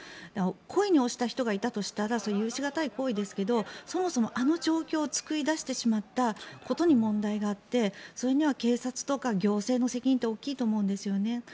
故意に押した人がいたとしたら許し難い行為ですがそもそもあの状況を作り出してしまったことに問題があってそれには警察とか行政の責任って大きいと思うんですよね。